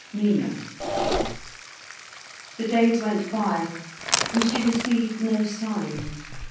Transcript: MINO The days went by, and she received no sign.